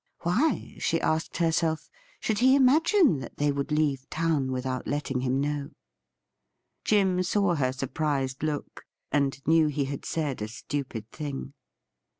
Why, she asked herself, should he imagine that they would leave town without letting him know ? Jim saw her surprised look, and knew he had said a stupid thing.